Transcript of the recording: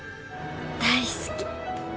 大好き！